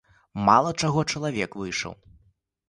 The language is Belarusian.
Мала чаго чалавек выйшаў.